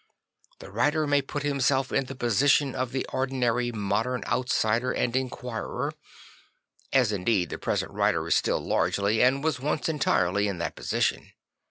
The writer may put himself in the position of the ordinary modern outsider and enquirer; as indeed the present writer is still largely and was once entirely in that position.